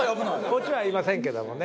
オチは言いませんけどもね。